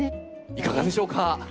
いかがでしょうか？